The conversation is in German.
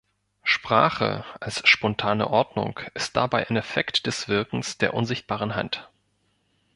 Sprache als spontane Ordnung ist dabei ein Effekt des Wirkens der unsichtbaren Hand.